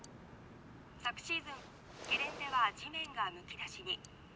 昨シーズンゲレンデは地面はむき出しに」。